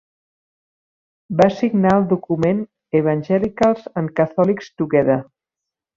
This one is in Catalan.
Va signar el document Evangelicals and Catholics Together.